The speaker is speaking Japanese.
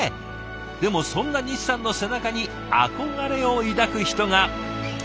でもそんな西さんの背中に憧れを抱く人が。